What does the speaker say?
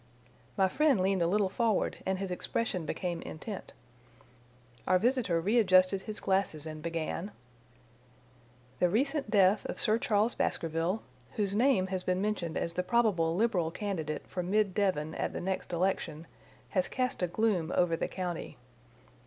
My friend leaned a little forward and his expression became intent. Our visitor readjusted his glasses and began: "The recent sudden death of Sir Charles Baskerville, whose name has been mentioned as the probable Liberal candidate for Mid Devon at the next election, has cast a gloom over the county.